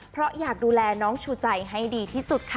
เพราะอยากดูแลน้องชูใจให้ดีที่สุดค่ะ